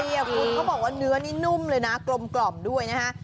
เขาบอกว่าเนื้อนี้นุ่มเลยนะกลมกล่อมด้วยนะฮะ